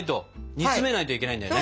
煮つめないといけないんだよね。